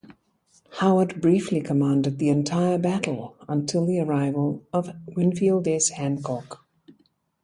Howard briefly commanded the entire battle until the arrival of Winfield S. Hancock.